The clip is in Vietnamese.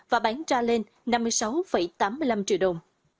và bán ra lên năm mươi sáu tám mươi năm triệu đồng